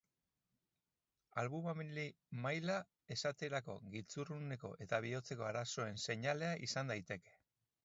Albumina maila esaterako giltzurruneko eta bihotzeko arazoen seinale izan daiteke.